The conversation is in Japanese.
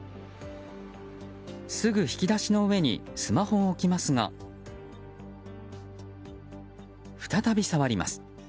すぐ引き出しの上にスマホを置きますが再び触ります。